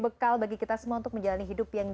bekal bagi kita semua untuk menjalani hidup yang